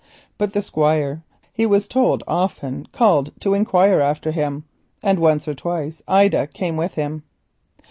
But the Squire, he was told, often called to inquire after him, and once or twice Ida came with him.